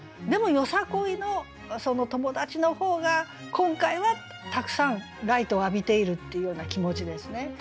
でもよさこいのその友達の方が今回はたくさんライトを浴びているっていうような気持ちですね。